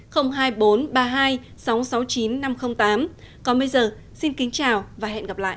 còn bây giờ xin kính chào và hẹn gặp lại